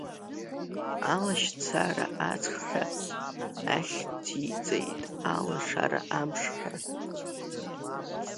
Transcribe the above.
Алашьцара аҵх ҳәа ахьӡиҵеит, алашара амш ҳәа.